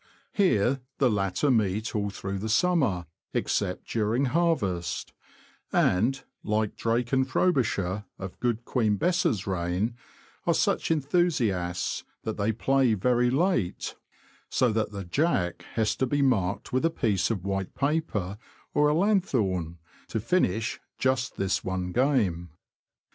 Here the latter meet all through the summer, except during harvest, and, like Drake and Frobisher, of Good Queen Bess's reign, are such enthusiasts, that they play very late, so that the ''jack" has to be marked with a piece of white paper or a lanthorn, to finish "just this one game."